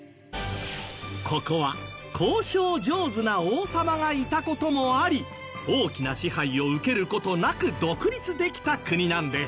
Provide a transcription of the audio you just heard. ここは交渉上手な王様がいた事もあり大きな支配を受ける事なく独立できた国なんです。